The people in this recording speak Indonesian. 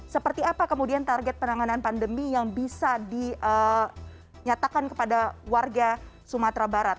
seperti apa kemudian target penanganan pandemi yang bisa dinyatakan kepada warga sumatera barat